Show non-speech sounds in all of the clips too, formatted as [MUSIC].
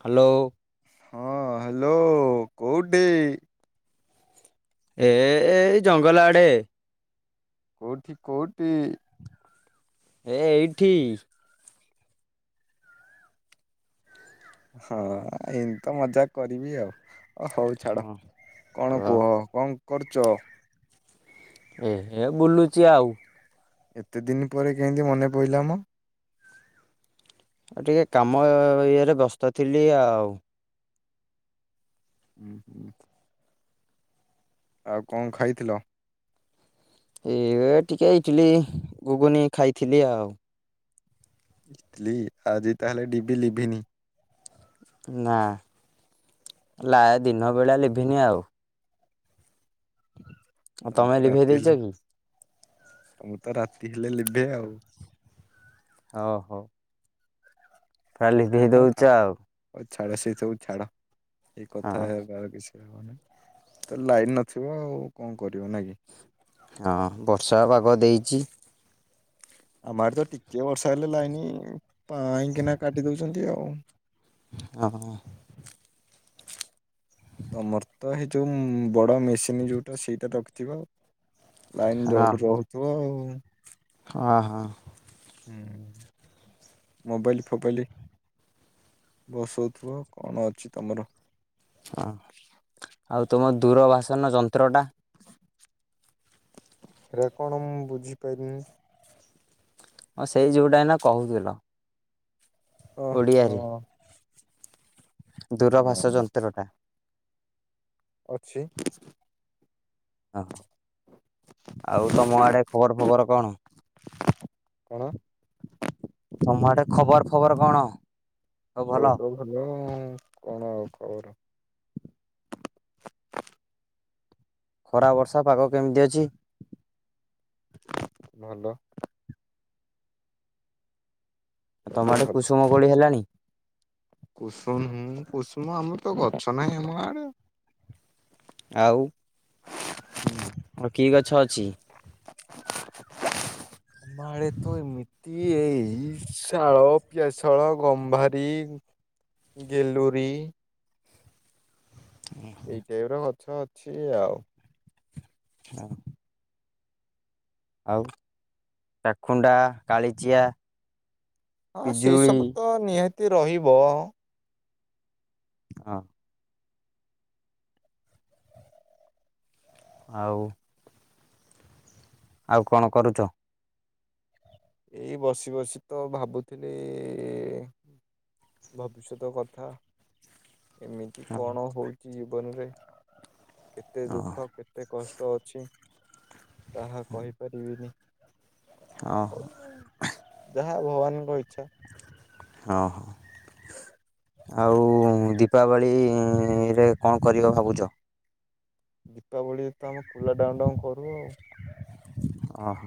Hello ହଁ hello କୋଉଠି? ଏଏଏ ଏଇ ଜଙ୍ଗଲ ଆଡେ। କୋଉଟିି କୋଉଟି? ଏ ଏଇଠି। ହଁ ଏମିତି ତ ମଜା କରିବି ଆଉ। ଓ ହଉ ଛାଡ ହଁ କଣ କୁହ କଣ୍ କରୁଚ। ଏଏଏ ବୁଲୁଚି ଆଉ। ଏତେ ଦିନ ପରେ କେମତି ମନେ ପଇଲାମ। ଆଉ ଟିକେ କାମ ଇଏରେ ବ୍ୟସ୍ତ ଥିଲି ଆଉ ହୁଁ ହୁଁ। ଆଉ କଣ ଖାଇଥିଲ।। ଏ ଟିକେ ଇଟିଲି ଗୁଗୁନି ଖାଇଥିଲି ଆଉ ଆଜି ତାହେଲେ ଡିବି ଲିଭିିନି ନା ନା ଦିନ ବେଳା ଲିଭିିନି ଆଉ ଆଉ ତମେ ଲିଭେଇ ଦେଇଚ କି? ତମର ତ ରାତି ହେଲେ ଲିଭେ ଆଉ ହୋଉ ହୋଉ କାଲି ହଁ ଦେଇ ହଉ ଥାଉ ଦଉଛ ଆଉ ହଉ ଛାଡ ସେ ସବୁ ଛାଡ଼ ଏ କଥା ହଁ [INAUDIBLE] ତ ଲାଇନ୍ ନଥିବ ଆଉ କଣ କରିବ ନାଇଁ କି ହଁ ବର୍ଷା ପାଗ ଦେଇଛି ଆମଆଡେତ ଟିକେ ବର୍ଷା ହେଲେ ଲାଇନି ପାଇଁକିନା କାଟିଦେଉଛନ୍ତି ଆଉ। ହଁ ତମର ତ ଏଇ ଯୋଉ ବଡ ମେ ସେମ ଯଉଟା ସେଇଟା ରଖ କିିବା ଲାଇନି ହଁ ଜୋର ଜଳୁଥିବ ଆଉ ହଁ ହଁ। ହହୁଁ ମୋବାଇଲି ଫୋବାଇଲି ବସାଉଥିବ କଣ ଅଛି ତମର ହଁ ଆଉ ତୁମ ଦୂରଭାଷନ ଯନ୍ତ୍ରଟା ରେକଣ ମୁଁ ବୁଝିପାରିଲେନି ହଁ ସେଇ ଯୋଉଟା ଏଇନା କହୁଥିଲ ଓହୋ ଓଡ଼ିଆରେ ନା ଦୂରଭାଷା ଯନ୍ତ୍ର ଟା ଅଛି। ହଁ ଆଉ ତମ ଆଡେ ଖବର ଫବର କଣ କଣ [INAUDIBLE] ତମର ଆଡେ ଖବର ଫବର କଣ ସବୁ ତ ଭଲ ଆଉ କଣ ଖବର ଖରା ବର୍ଷା ପାଗ କେମିତି ଅଛି? ଭଲ। ଆଉ ସବୁ ତମଆଡେ ଭଲ। କୁସୁମ କୋଳି ହେଲାଣି? କୁସୁମ କୁସୁମ ଆମର ତ ଗଛ ନାହିଁ ଆମ ଆଡେ ଆଉ ହୁଁ [INAUDIBLE] କି ଗଛ ଅଛି? ଆ ମାଳେ ତୁ ଏମିିତି କି ଏଇ ଶାଳ ପିଆସଳ ଗମ୍ଭାରୀ ଗେଲୁରି ଏଇଟା ଟାଇପ ର ଛ ଅଛି ଆଉ। ହଁ ଆଉ ଚାଖୁଣ୍ଡା କାଳିଚିଆ ହଁ ସେଇ ପିଜୁଳି ସବୁ ତ ନି ତି ରହିବ। ହଁ ଆଉ ଆଉ କଣ କରୁଚ? ଏଇ ବସି ବସି ତ ଭାବୁଥିଲି ଇ ଭବିଷ୍ୟତ କଥା। ଏମିତି ଓହୋ କଣ ହଉଚି ଜୀବନରେ? କେତେ ଦୁଃଖ କେତେ କଷ୍ଟ ଅଛ। ତାହା କହିପାରିବିନି। ଯା [INAUDIBLE] ହଁ ଆଉ ଦୀପାବଳି ରେ କଣ କରିବ ଭାବୁଚ? ଦୀପାବଳି ତ ଆମେ କୁଳ ଡାଉଁଡାଉ କରୁ ଆଉ। ଅହ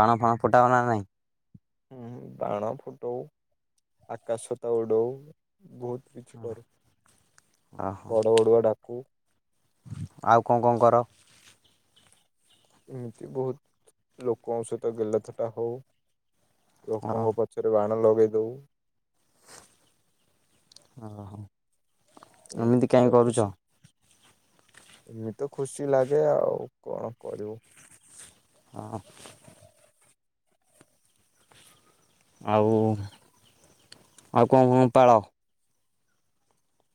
ବାଣ ଫାଣ ଫୁଟାଉ ନା ନାଇଁ? ହୁଁ ବାଣ ଫୁଟଉ ଆକାଶ ତ ଉଡଉ କିଛି କରୁ ଓହୋ ବଡ ବଡୁଆ ଡାକୁ ଆଉ କଣ କଣ କର? ଏମିତି ବହୁତ ଲୋକଙ୍କ ସହିତ ଗେଲଥଟା ହଉ। ଓହୋ ଲୋକଙ୍କ ପଛରେ ବାଣ ଲଗ ଗେ ଦଉ। ଅହ ଏମିତି କାହିଁ କରୁଚ? ଇଏ ତ ଖୁସି ଲାଗେ ଆଉ କଣ କରିବୁ? ହଁ ଆଉ ଆଉ କ କ ପାଳ?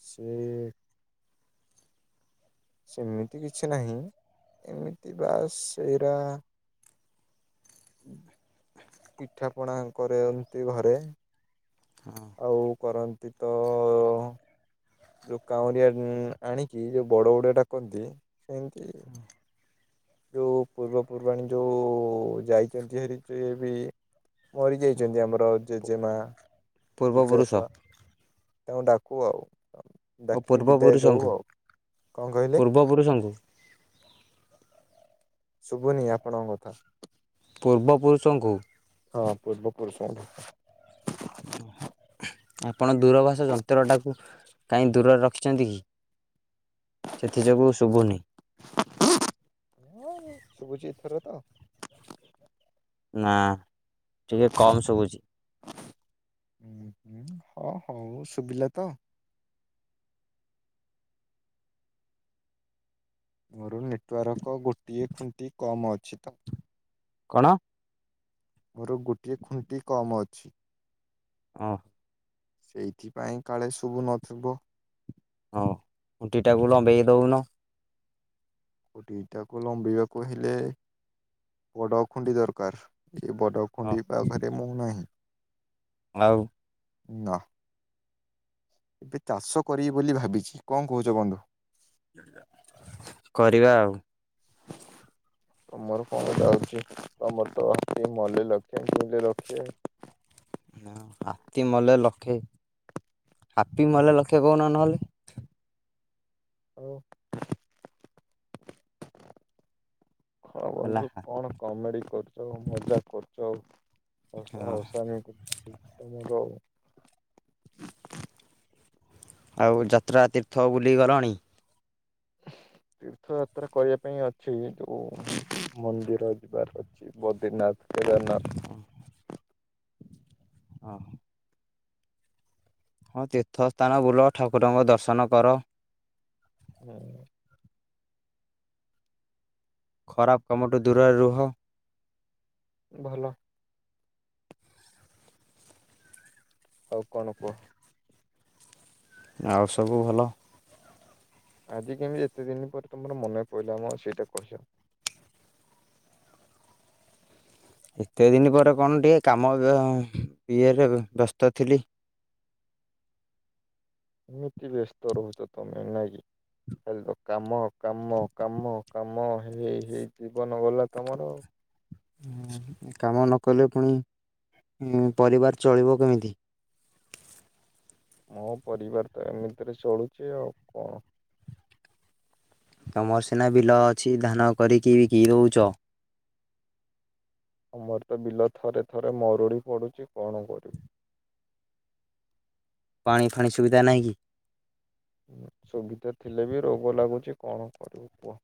ସେ ସେମିତି କିଛି ନାହିଁ ଏମିତି ବା ସେଇରା ପିଠା ପଣା କରେଏନ୍ତି ଘରେ। ଆଉ କରନ୍ତି ତ ଲୋ କାଉଁରିଆ ଆଣିକି ଯୋଉ ବଡ ବଡୁଆ ଡାକନ୍ତି। ସେମତି। ଯଉ ପୂର୍ବପୂର୍ବାଣି ଯୋଉ ଯାଇଚନ୍ତି ହେରି ସେ ବି ମରିଯାଇଚନ୍ତି ଆମର ଜେଜେମା ପୂର୍ବପୁରୁଷ ଜେଜେବାପା। ଏବଂ ଡାକୁୁ ଆ ଓ ପୂର୍ବପୁରୁଷଙ୍କୁ କଣ କହିଲେ ପୂର୍ବପୁରୁଷଙ୍କୁ ଶୁଭୁନି ଆପଣଙ୍କ କଥା ପୂର୍ବପୁରୁଷଙ୍କୁ ହଁ ପୂର୍ବ ପରୁ ଶୁଠ ଆପଣ ଦୂରବାସ ଯନ୍ତ୍ରଟାକୁ କାହିଁ ଦୂରରେ ରଖିଛନ୍ତି କି ସେଥିଯୋଗୁଁ ଶୁଭୁନି ଶୁଭୁଚିତଥର ତ ନାଁ ଟିକେ କମ ଶବୁଛି ହଁ ହଁ ହଁ ହଉ ଶୁଭିଲା ତ ମୋର ନେଟୱାର୍କ ଗୋଟିଏ ଖୁଣ୍ଟି କମ୍ ଅଛି ତ କଣ ମୋର ଗୋଟିଏ ଖୁଣ୍ଟି କମ୍ ଅଛି ଓ ସେଇଥିପାଇଁ କାଳେ ଶୁଭୁ ନଥିବ ହଉ ଖୁଣ୍ଟି ଟାକୁ ଲମ୍ବେଇ ଦଉନ ଗୋ ଦଟାକୁ ଲମ୍ବିବାକୁ ହେଲେ ବଡ ଖୁଣ୍ଡି ଦରକାର ଏ ବଡ଼ ଖୁଣ୍ଡି ପା ଘରେ ମୁୋ ନାହିଁ ଆଉ ନା ଏବେ ଚାଷ କରିବି ବୋଲି ଭାବିଛି କଣ କହୁଛ ବନ୍ଧୁ କରିବା ଆଉ ତମର କଣ ଯାଉଛି ତମର ତି ମଲ ଲକ୍ଷିଲ ଲକ୍ଷ ହାତୀ ମଲେ ଲକ୍ଷେ ହାତୀ ମଲେ ଲକ୍ଷେ କହୁନ ନହେଲେ [INAUDIBLE] ହଣ ହେଲା ବନ୍ଧୁ କଣ କମେଡି କରୁଛ ମଜା କରୁଛ ହଉ ହଉସାନଁ ହଉ ଆଉ ଯାତ୍ରା ତୀର୍ଥ ବୁଲିଗଲନି ତୀର୍ଥ ଯାତ୍ରା କରିବା ପାଇଁ ଅଛି ଯୋଉ ମନ୍ଦିର ଯିବାର ଅଛି ବଦ୍ରିନାଥ କେଦାରନାଥ ହ ହଁ ତୀର୍ଥ ସ୍ଥାନ ବୁଲ ଠାକୁରଙ୍କ ଦର୍ଶନ କର। ହୁଁ। ଖରାପ କାମଠୁ ଦୂରରେ ରୁହ। ଭଲ। ହଉ କଣୋକ ଆଉ ସବୁ ଭଲ? ଆଜି କେମିତି ଯେତେ ଦିନ ପରେ ତମର ମନ ପଡିଲ ମ ସେଇଟା ପଚାରୁଛି। ଏତେ ଦିନ ପରେ କଣ ଟିକେ କାମ ଇଏରେ ବ୍ୟସ୍ତ ଥିଲି। ଏମିତି ବ୍ୟସ୍ତ ରହୁଛ ତମେ ନକି ଖାଲି ତ କାମ କାମ କାମ କାମ ହେଇ ହେଇ ଜୀବନ ଗଲା ତମର କାମ ନକଲେ ପୁଣି ପରିବାର ଚଳିବ କେମିତି? ମୋ ପରିବାର ତ ଏମିତିରେ ଚଳୁଚି ଆଉ କଣ? ତମର ସିନା ବିଲ ଅଛି ଧାନ କରିକି ବିକି ଦୋଉଚ। ଆମର ତ ବିଲ ଥରେ ଥରେ ମରୁଡି ପଡୁଚି କଣ କରିବି। ପାଣି ଫାଣି ସୁବିଧା ନାହିଁ କି? ସୁବିଧା ଥିଲେ ବି ରୋଗ ଲାଗୁଚି କଣ କରିବୁ କୁହ?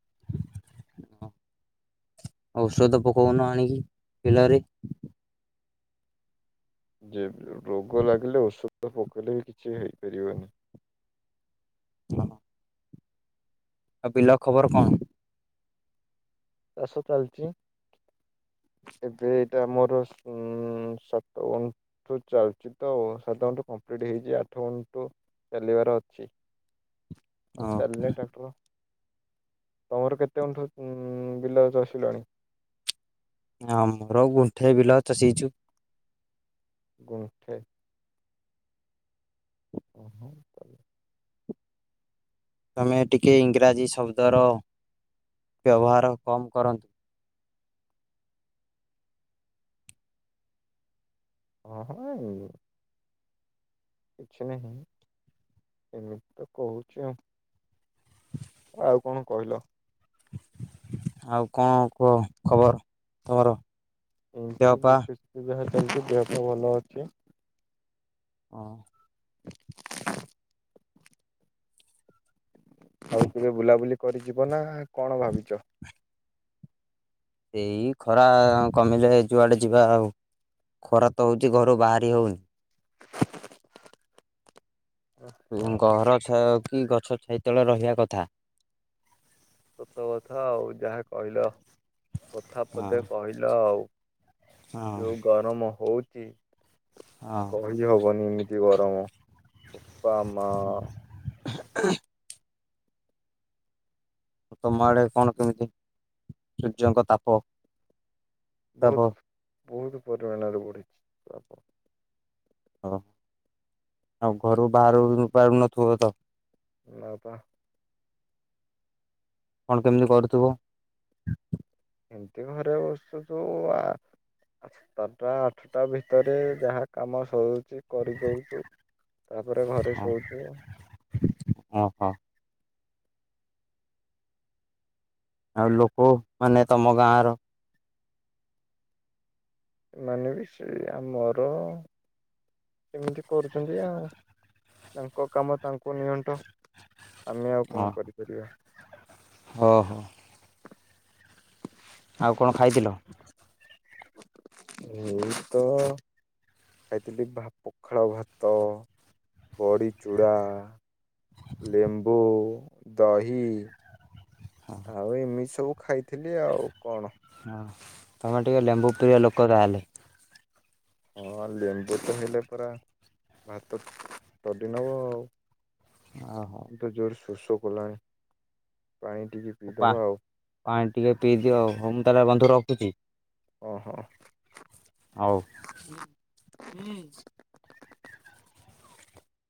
ଔଷଧ ପକଉନ ଆଣିକି ବିଲରେ ଯେ ରୋଗ ଲାଗିଲେ ଓସ ତ ପକଲେ ବି କିଛି ହେଇପାରିବନି। [INAUDIBLE] ହ ଆ ବିଲ ଖବର କଣ? ଚାଷ ଚାଲିଛି [INAUDIBLE] ଏବେ ଏଇଟା ମୋର ଉ ସାତ ଗଣ୍ଠୁ ଚାଲିଛି ତ ସାତ ଘଣ୍ଠୁ କମ୍ପ୍ଲିଟ ହେଇଛି ଆଠ ଗଣ୍ଠୁ ଚାଲିବାର ଅଛି। ଆଉ ଚାଲିଲ ଟ୍ରାକ୍ଟର ତମର କେତେ ଅଣ୍ଠୁ ଉ ବିଲା ଚସିଲଣି? ହଁ ମୋର ଗୁଣ୍ଠେଇ ବିଲ ଚଷିଛୁ ଗଣ୍ଠେ [UNINTELLIGIBLE] ତମେ ଟିକେ ଇଂରାଜୀ ଶବ୍ଦର ବ୍ୟବହାର କମ୍ କରନ୍ତୁ। ଓହୋ କିଛି ନାହିଁ [INAUDIBLE] ଏମିତି ତ କହୁଛି ଆ ଆଉ କଣ କହିଲ [INAUDIBLE] ଆଉ କଣ କୁହ ଖବର ତମର? ଦେହ ଏମିତି ଦୁଃଖ ସୁ ବାହାର ସେମିତି ଦେହ ଭଲ ଅଛି। ହ। [INAUDIBLE] ଆଉ କେବେ ବୁଲାବୁଲି କରିଯିବ ନା କଣ ଭାବିଛ। ଏଇ ଖରା କମିଲେ ଯୁଆଡେ ଯିବା ଆଉ ଖରା ତ ହଉଛି ଘରୁ ବାହାରି ହଉନି। ଘରଛ କି ଗଛ ଛାଇ ତେଳେ ରହିବା କଥା ସତ କଥା ଆଉ ଯାହା କହିଲ କଥା ହଁ ପଦେ କହିଲ ଆଉ, ହଁ ଯୋଉ ଗରମ ହୋଉ ହଁ। [INAUDIBLE] କହିିଲ ହବନି ଏ ଦ ଗରମ ବୋପା ମାଆ [INAUDIBLE] ତମ ଆଡେ କଣ କେମିତି [INAUDIBLE] ସୂର୍ଯ୍ୟଙ୍କ ତାପ? ତାପ ବହୁତ ବହୁତ ପରିମାଣରେ ବଢ଼ିଛି ତାପ। ହଉ ଆଉ ଘରୁ ବାହାରୁ ପାରୁନଥିବ ତ। ନା ପା। କଣ କେମିତି କରୁଥୁବୁ? ଏମିତି ଘରେ ବସୁଛୁ ତୁ ଆ, ସାତଟା ଆଠଟା ଭିତରେ ଯାହା କାମ ସରୁ ଚେକ୍ କରିଦଉଛୁ ତାପରେ ଘରେ ହଁ ଶୋଉଚୁ। ଓହୋ ଆଉ ଲୋକମାନେ ତୋମ ଗାଁର ଏମାନେ ବି ସେଇ ଆମର ଏମିତି କରୁଚନ୍ତି ଆ, ତାଙ୍କ କାମ ତାଙ୍କୁ ନିଅଣ୍ଟ। ଆମେ ଆଉ ଓ କଣ କରିପାରିବା। ଓହୋ ଆଉ କଣ ଖାଇଥିଲ? ଏଇ ତ ଖାଇଥିଲି ଭା- ପଖାଳ ଭାତ, ବଡ଼ି ଚୂଡ଼ା ଲେମ୍ବୁ ଦହି ଆଉ ଏମିତି ସବୁ ଖାଇଥିଲି ଆଉ କଣ। ତୋମେ ଟିକେ ଲେମ୍ବୁ ପ୍ରିୟ ଲୋକ ତାହେଲେ। ହଁ ଲେମ୍ବୁ ତ ହେଲେ ପରା ଭାତ ତଡି ନବ ଆଉ। ଓହୋ। ତ ଜୋର ଶୋଷ କଲାଣି। ପାଣି ଟିକେ ପା ପିଇଦବା ଆଉ ପାଣି ଟିକେ ପିଇଦିଅ ଆଉ, ହଉ ମୁଁ ତାହେଲେ ବନ୍ଧୁ ର ଖୁଚି। ଓ ହଁ। ଆଉ